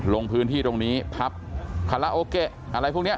ลงพื้นที่ตรงนี้พับคาราโอเกะอะไรพวกนี้